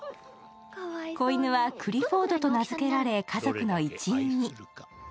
子犬はクリフォードと名付けられ家族の一員に。